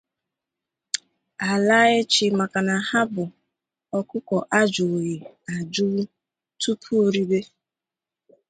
a laa echi maka na ha bụ ọkụkọ ajụwughị ajụwu tupuu ribe